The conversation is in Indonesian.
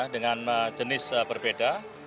dengan jenis berbeda